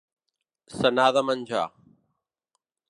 Se n’ha de menjar.